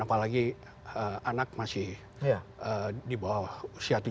apalagi anak masih di bawah usia tujuh belas tahun